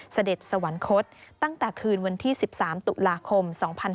เสด็จสวรรคตตั้งแต่คืนวันที่๑๓ตุลาคม๒๕๕๙